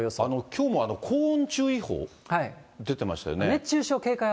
きょうも高温注意報、出てましたよね？